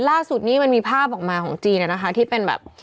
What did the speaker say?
ล่าสุดมีภาพออกมาของจีนอะนะคะที่เป็นแบบ